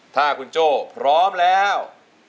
ถ้าคุณโจ้พร้อมแล้ว